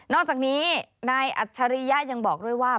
อกจากนี้นายอัจฉริยะยังบอกด้วยว่า